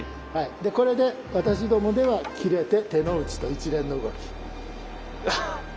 でこれで私どもでは「斬れて手の内」と一連の動き。